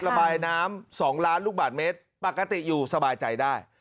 ระบายน้ำ๒ล้านลูกบาทเมตรปกติอยู่สบายใจได้